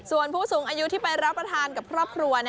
ส่วนผู้สูงอายุที่ไปรับประทานกับครอบครัว